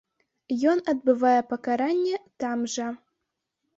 Ён адбывае пакаранне там жа.